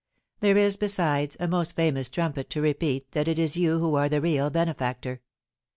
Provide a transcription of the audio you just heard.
There is, besides, a most famous trumpet to repeat that it is you who are the real benefactor.